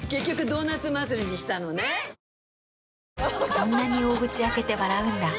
そんなに大口開けて笑うんだ。